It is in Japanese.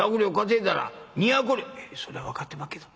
「それは分かってまっけど。